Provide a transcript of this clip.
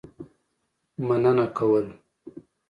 مننه کول.